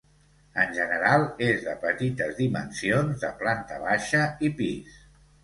En general és de petites dimensions, de planta baixa i pis.